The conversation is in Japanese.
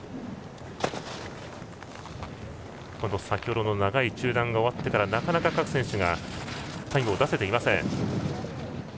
先ほどの長い中断が終わってからなかなか各選手がタイムを出せていません。